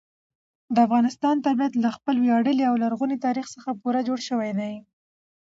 د افغانستان طبیعت له خپل ویاړلي او لرغوني تاریخ څخه پوره جوړ شوی دی.